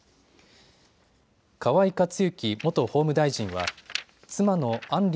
河井克行元法務大臣は妻の案